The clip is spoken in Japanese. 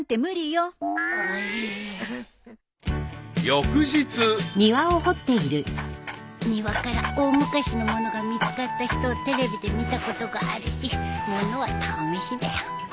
［翌日］庭から大昔の物が見つかった人をテレビで見たことがあるし物は試しだよ。